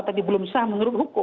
tapi belum sah menurut hukum